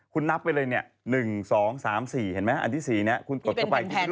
คุณนับไปเลยเนี่ย๑๒๓๔เห็นไหมอันที่๔นี้คุณกดเข้าไป